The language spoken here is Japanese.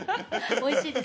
おいしいですよ。